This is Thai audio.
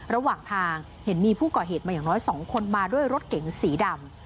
ระหว่างทางเห็นมีผู้ก่อเหตุมาอย่างน้อย๒คนมาด้วยรถเก๋งสีดำ